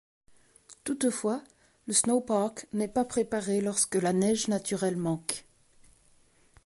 Toutefois, le snowpark n'est pas préparé lorsque la neige naturelle manque.